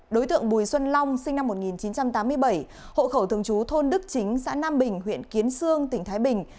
đối tượng bùi xuân long sinh năm một nghìn chín trăm tám mươi bảy hộ khẩu thường chú thôn đức chính xã nam bình huyện kiến sương tỉnh thái bình